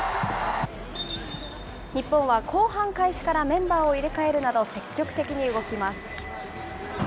日本は後半開始からメンバーを入れ替えるなど、積極的に動きます。